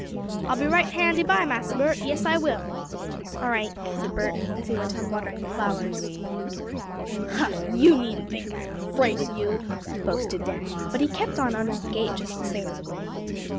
"I'll be right handy by, Massa Bert, yes, I will!" "All right," said Bert, as he went on watering the flowers. "Huh! You needn't think I'm afraid of you!" boasted Danny, but he kept on out of the gate just the same.